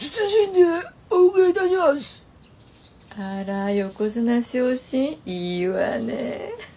あら横綱昇進いいわねぇ。